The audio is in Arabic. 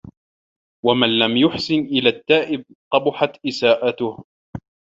وَمَنْ لَمْ يُحْسِنْ إلَى التَّائِبِ قَبُحَتْ إسَاءَتُهُ